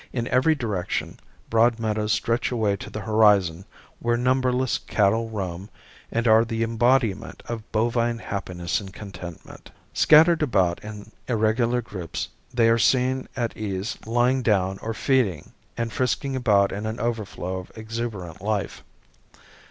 In every direction broad meadows stretch away to the horizon where numberless cattle roam and are the embodiment of bovine happiness and contentment. Scattered about in irregular groups they are seen at ease lying down or feeding, and frisking about in an overflow of exuberant life.